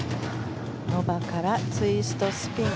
ノバからツイストスピン。